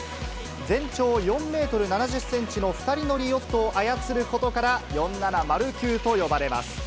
全長４メートル７０センチの２人乗りヨットを操ることから、４７０級と呼ばれます。